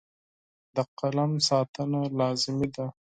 د قلم ساتنه لازمي ده.